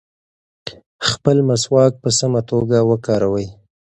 خپل مسواک په سمه توګه وکاروئ.